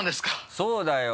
そうだよ。